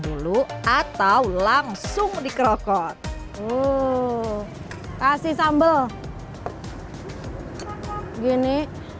dulu atau langsung dikerokot uh kasih sambal begini